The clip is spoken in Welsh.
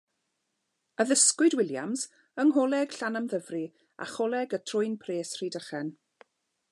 Addysgwyd Williams yng Ngholeg Llanymddyfri a Choleg y Trwyn Pres, Rhydychen.